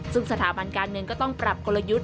ซึ่งสถาบันการเงินก็ต้องปรับกลยุทธ์